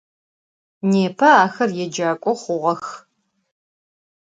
Nêpe axer yêcak'o xhuğex.